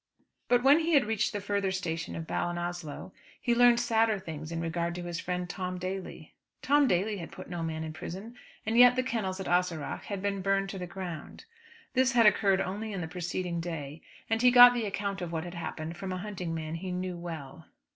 But when he had reached the further station of Ballinasloe he learned sadder tidings in regard to his friend Tom Daly. Tom Daly had put no man in prison, and yet the kennels at Ahaseragh had been burned to the ground. This had occurred only on the preceding day; and he got the account of what had happened from a hunting man he knew well.